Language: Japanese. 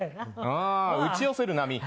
打ち寄せる波。